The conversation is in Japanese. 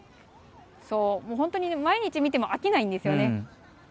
本当に毎日見ても飽きないんですよね。